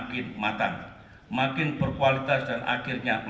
karena semua mengerokoh alam